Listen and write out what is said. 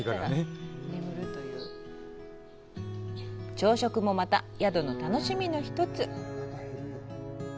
朝食もまた、宿の楽しみの一つ。